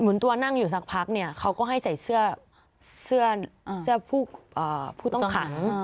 เหมือนตัวนั่งอยู่สักพักเนี่ยเขาก็ให้ใส่เสื้อผู้ต้องขัง